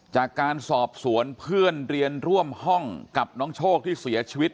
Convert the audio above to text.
จากการสอบสวนเพื่อนเรียนร่วมห้องกับน้องโชคที่เสียชีวิต